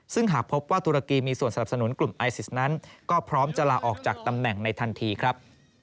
ซึ่งหากพบว่าตุรกีมีส่วนสนับสนุนกลุ่มไอซิสนั้นก็พร้อมจะลาออกจากตำแหน่งในทันทีครับ